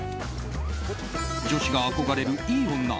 女子が憧れるいい女